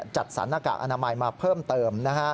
จัดสรรหน้ากากอนามัยมาเพิ่มเติม